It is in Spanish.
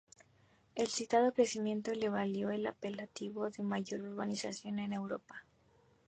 El citado crecimiento le valió el apelativo de mayor urbanización en Europa.